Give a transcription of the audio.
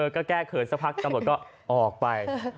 ก็แก้เขินสักพักตำรวจก็ออกไป